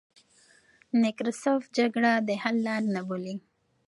نکراسوف جګړه د حل لار نه بولي.